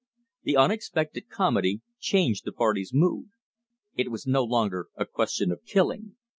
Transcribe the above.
The unexpected comedy changed the party's mood. It was no longer a question of killing.